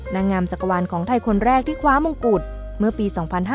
นางงามจักรวาลของไทยคนแรกที่คว้ามงกุฎเมื่อปี๒๕๕๙